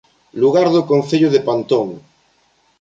Lugar do Concello de Pantón